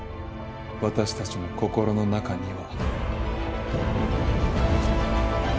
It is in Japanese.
私たちの心の中には。